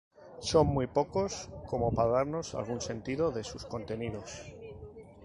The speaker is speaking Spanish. Son muy pocos como para darnos algún sentido de sus contenidos.